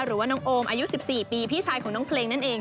หรือว่าน้องโอมอายุ๑๔ปีพี่ชายของน้องเพลงนั่นเอง